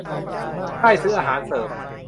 ได้ซื้ออาหารเสริม